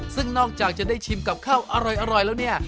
ซึ่งนอกจากจะได้ชิมกับข้าวอร่อยแล้วเนี่ย